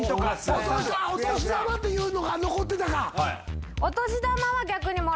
お年玉っていうのが残ってたか。